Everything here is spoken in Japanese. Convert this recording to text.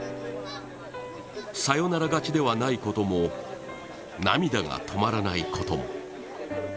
サヨナラ勝ちではないことも、涙が止まらないことも。